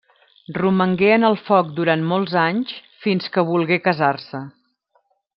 Romangué en el foc durant molts anys, fins que volgué casar-se.